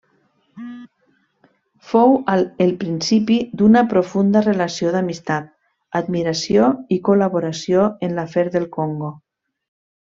Fou el principi d'una profunda relació d'amistat, admiració i col·laboració en l'afer del Congo.